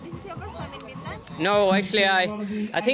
jadi ini adalah perjuangan pertama di bintan